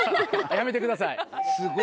やめてください。